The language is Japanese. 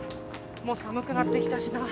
もう寒くなってきたしな。